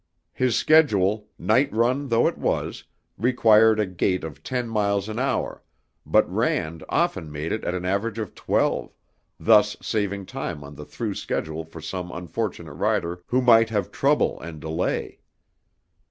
His schedule, night run though it was, required a gait of ten miles an hour, but Rand often made it at an average of twelve, thus saving time on the through schedule for some unfortunate rider who might have trouble and delay.